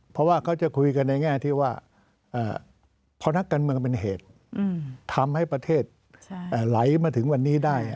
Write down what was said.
เพราะว่าเขาจะคุยกันในแง่ที่ว่าพอนักการเมืองเป็นเหตุทำให้ประเทศไหลมาถึงวันนี้ได้